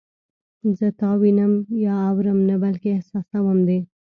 زه تا وینم یا اورم نه بلکې احساسوم دې